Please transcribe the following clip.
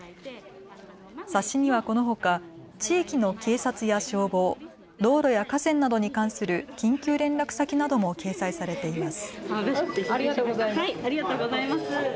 冊子にはこのほか地域の警察や消防、道路や河川などに関する緊急連絡先なども掲載されています。